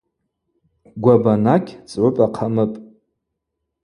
Гвабанакь – цӏгӏвыпӏа хъамыпӏ.